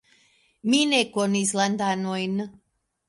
Mi ne konis landanojn.